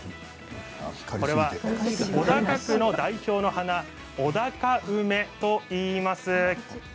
これは小高区の代表の花小高梅といいます。